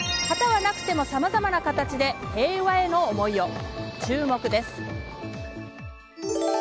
旗はなくてもさまざまな形で平和への思いを。